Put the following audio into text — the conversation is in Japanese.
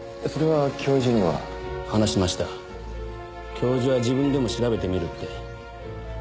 教授は自分でも調べてみるって。